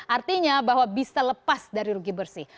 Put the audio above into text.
artinya bahwa bisa lepas dari rugi bersih